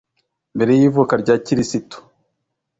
Mbere y’ivuka rya Kirisitu)